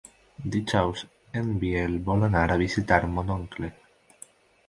Dijous en Biel vol anar a visitar mon oncle.